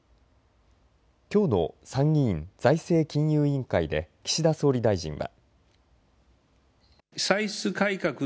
きょうの参議院財政金融委員会で岸田総理大臣は。